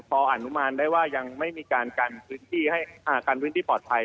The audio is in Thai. พออนุมานได้ว่ายังไม่มีการกันพื้นที่ปลอดภัย